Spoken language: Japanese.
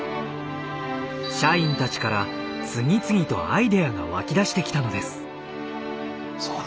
社員たちから次々とアイデアが湧き出してきたのです。